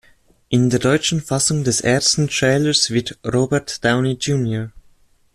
In der deutschen Fassung des ersten Trailers wird Robert Downey Jr.